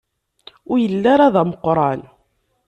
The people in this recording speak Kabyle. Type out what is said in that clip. Ur yelli ara d ameqṛan.